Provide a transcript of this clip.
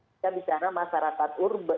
kita bicara masyarakat